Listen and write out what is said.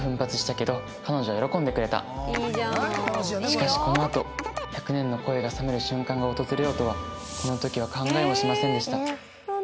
しかしこのあと１００年の恋が冷める瞬間が訪れようとはこの時は考えもしませんでした